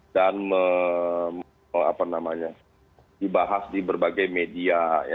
dan dibahas di berbagai media